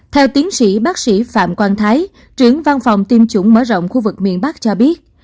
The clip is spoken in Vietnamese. theo tiến sĩ bác sĩ phạm quang thái trưởng văn phòng tiêm chủng mở rộng khu vực miền bắc cho biết